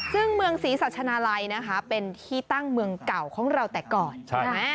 ซึ่งเมืองศรีสัชนาลัยนะคะเป็นที่ตั้งเมืองเก่าของเราแต่ก่อนใช่ไหม